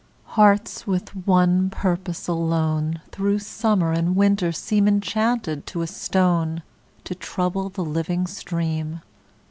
Hearts with one purpose alone Through summer and winter seem Enchanted to a stone To trouble the living stream.